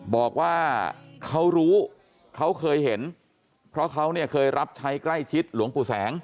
บอกว่าเขารู้เขาเคยเห็นเพราะเขาเนี่ยเคยรับใช้ใกล้ชิดหลวงปู่แสง